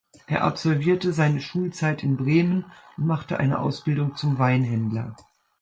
Er absolvierte seine Schulzeit in Bremen und machte eine Ausbildung zum Weinhändler.